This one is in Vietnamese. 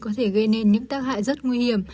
có thể gây nên những tác hại rất nguy hiểm